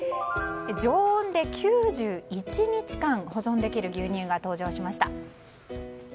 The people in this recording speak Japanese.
常温で９１日間保存できる牛乳が登場しました。